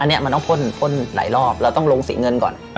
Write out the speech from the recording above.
อันนี้มันต้องพ่นพ่นหลายรอบเราต้องลงสีเงินก่อน